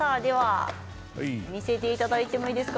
見せていただいていいですか？